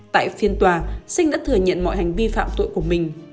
tại phiên tòa sinh đã thừa nhận mọi hành vi phạm tội của mình